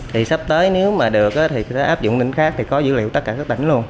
thì sắp tới nếu mà được thì áp dụng tỉnh khác thì có dữ liệu tất cả các tỉnh luôn